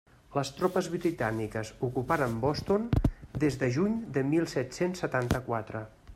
Les tropes britàniques ocuparen Boston des de juny de mil set-cents setanta-quatre.